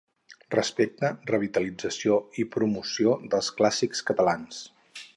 Respecte, revitalització i promoció dels clàssics catalans.